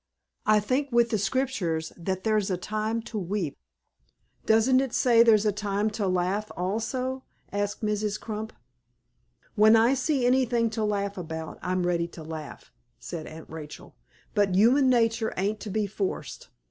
I think, with the Scriptures, that there's a time to weep." "Doesn't it say there's a time to laugh, also?" asked Mrs. Crump. "When I see anything to laugh about, I'm ready to laugh," said Aunt Rachel; "but human nature ain't to be forced.